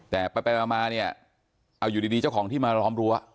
แต่ไปมาเนี่ยเอาอยู่ดีเจ้าของที่มาล้อมรั้ว